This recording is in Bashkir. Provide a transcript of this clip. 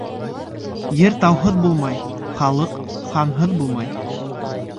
Ер тауһыҙ булмай, халыҡ ханһыҙ булмай.